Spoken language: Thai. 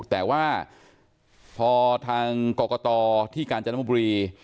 แต่ว่าพอทางกรกตที่กาญจนบุรี